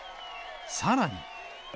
さらに。